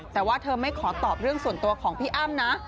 แต่ว่าเธอไม่ขอตอบเรื่องส่วนตัวของพี่อ้ำนะ